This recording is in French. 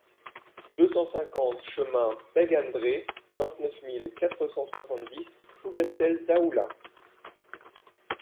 deux cent cinquante chemin Beg an Dre, vingt-neuf mille quatre cent soixante-dix Plougastel-Daoulas